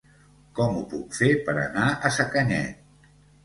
Com ho puc fer per anar a Sacanyet?